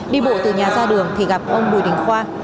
đi bộ từ nhà ra đường thì gặp ông bùi đình khoa